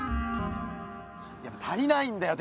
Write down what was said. やっぱ足りないんだよ